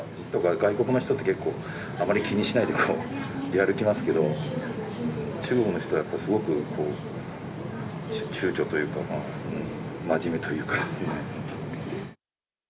外国の人って結構あまり気にしないで、出歩きますけど、中国の人はやっぱりすごく、ちゅうちょというか、真面目というか。